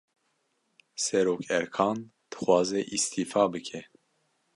Serokerkan, dixwaze îstîfa bike